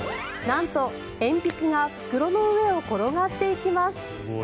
なんと、鉛筆が袋の上を転がっていきます。